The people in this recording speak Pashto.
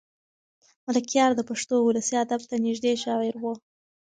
ملکیار د پښتو ولسي ادب ته نږدې شاعر و.